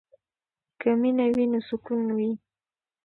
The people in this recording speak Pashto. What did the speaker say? که مینه وي نو سکون وي.